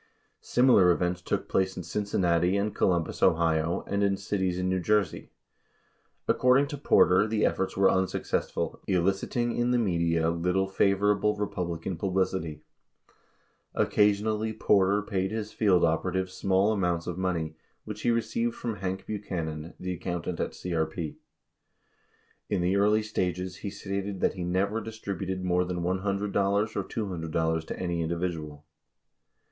Similar events took place in Cincinnati and Columbus, Ohio, and in cities in New Jersey. Accord ing to Porter the efforts were unsuccessful, eliciting in the media 1 ittle favorable Republican publicity. 3 7 Occasionally Porter paid his field operatives small amounts of money, which he received from Hank Buchanan, the accountant at CRP . In the early stages, he stated that he never distributed more than $100 or $200 to any individual.